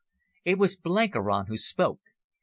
It was Blenkiron who spoke.